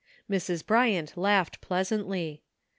Mrs. Bryant laughed ])leasantly.